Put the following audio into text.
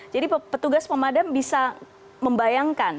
petugas pemadam bisa membayangkan